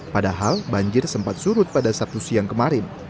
padahal banjir sempat surut pada sabtu siang kemarin